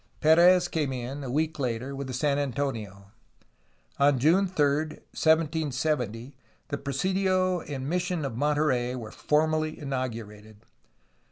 P6rez came in, a week later, with the San Antonio. On June 3, 1770, the presidio and missi on of Monterey were formally inaugurated.